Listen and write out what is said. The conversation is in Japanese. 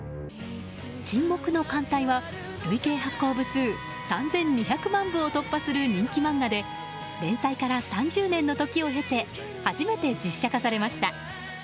「沈黙の艦隊」は累計発行部数３２００万部を突破する人気漫画で連載から３０年の時を経て初めて実写化されました。